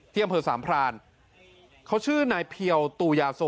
อำเภอสามพรานเขาชื่อนายเพียวตูยาโซ